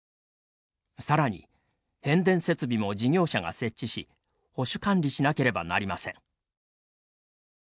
さらに変電設備も事業者が設置し保守管理しなければなりません。